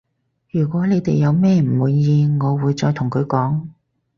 如果你哋有咩唔滿意我會再同佢講